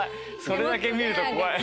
それだけ見ると怖い。